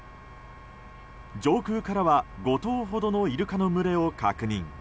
上空からは５頭ほどのイルカの群れを確認。